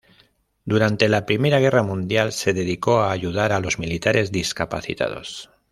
Durante la Primera Guerra Mundial se dedicó a ayudar a los militares discapacitados.